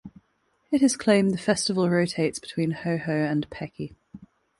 It is claimed the festival rotates between Hohoe and Peki.